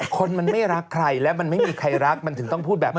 คนมันไม่รักใครและมันไม่มีใครรักมันถึงต้องพูดแบบนี้